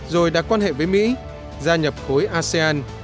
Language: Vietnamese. rồi đã quan hệ với mỹ gia nhập khối asean